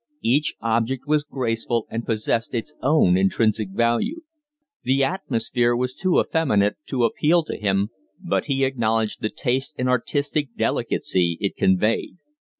Each object was graceful, and possessed its own intrinsic value. The atmosphere was too effeminate to appeal to him, but he acknowledged the taste and artistic delicacy it conveyed.